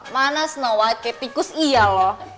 mana snow white seperti tikus iya loh